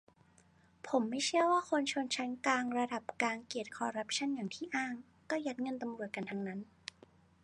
นิธิ : ผมไม่เชื่อว่าคนชั้นกลางระดับกลางเกลียดคอรัปชั่นอย่างที่อ้าง ก็ยัดเงินตำรวจกันทั้งนั้น